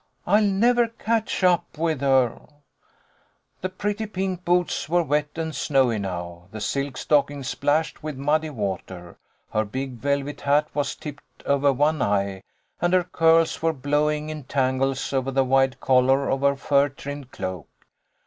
"I'll never catch up with her !" The pretty pink boots were wet and snowy now, the silk stockings splashed with muddy water. Her big velvet hat was tipped over one eye and her curls were blowing in tangles over the wide collar of her fur trimmed cloak.